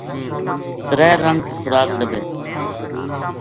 ترے رنگ کی خوراک لبھے